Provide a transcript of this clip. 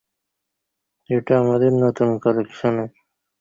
এটা আমাদের নতুন কালেকশনের।